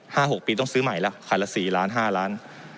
หกปีต้องซื้อใหม่ละคันละสี่ล้านห้าล้าน